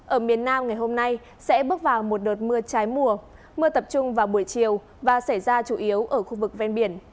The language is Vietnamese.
ở miền nam ngày hôm nay sẽ bước vào một đợt mưa trái mùa mưa tập trung vào buổi chiều và xảy ra chủ yếu ở khu vực ven biển